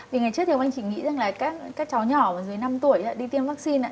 vì ngày trước thì hồng anh chỉ nghĩ rằng là các cháu nhỏ dưới năm tuổi đi tiêm vaccine